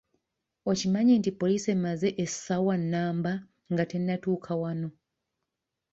Okimanyi nti poliisi emaze essaawa nnamba nga tennatuuka wano?